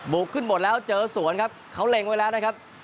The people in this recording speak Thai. ขึ้นหมดแล้วเจอสวนครับเขาเล็งไว้แล้วนะครับ